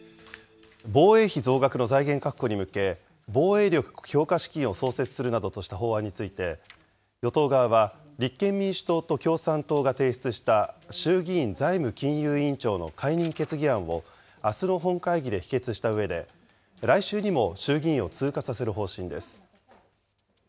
防衛費増額の財源確保に向け、防衛力強化資金を創設するなどとした法案について、与党側は、立憲民主党と共産党が提出した衆議院財務金融委員長の解任決議案をあすの本会議で否決したうえで、来週にも衆議院を通過させる方針です。